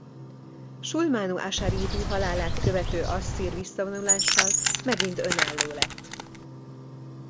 Sulmánu-asarídu halálát követő asszír visszavonulással megint önálló lett.